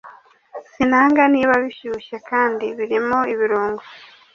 Sinanga niba bishyushye kandi birimo ibirungo